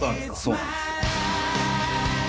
そうなんですよ。